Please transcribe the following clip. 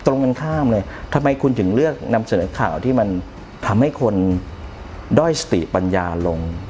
ตรงกันข้ามเลยทำไมคุณถึงเลือกนำเสนอข่าวที่มันทำให้คนด้อยสติปัญญาลง